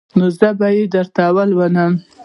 نو زه به يې درته ولولم.